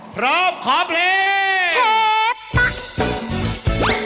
พร้อมขอเพลง